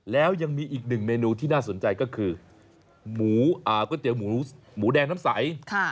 แล้วยังมีอีกหนึ่งเมนูที่น่าสนใจก็คือก๋วยเตี๋ยวหมูแดงน้ำใส